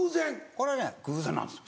これね偶然なんです。